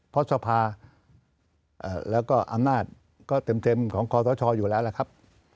เพราะสภาแล้วก็อำนาจก็เต็มของคอสชอยู่แล้วล่ะครับ